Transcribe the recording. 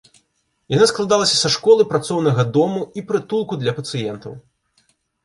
Яна складалася са школы, працоўнага дома і прытулку для пацыентаў.